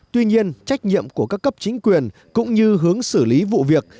tuy nhiên trách nhiệm của các cấp chính quyền cũng như hướng xử lý vụ việc